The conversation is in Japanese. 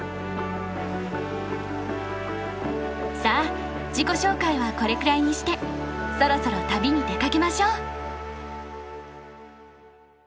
さあ自己紹介はこれくらいにしてそろそろ旅に出かけましょう。